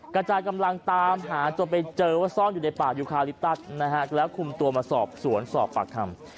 กระจายกำลังตามหาจนไปเจอว่าซ่อนอยู่ในป่ายุคาลิปตัสนะฮะแล้วคุมตัวมาสอบสวนสอบปากคำ